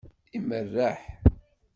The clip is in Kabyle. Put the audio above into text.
Imerreḥ.